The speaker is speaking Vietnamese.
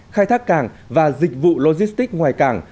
khai thác cảng và dịch vụ logistic ngoài cảng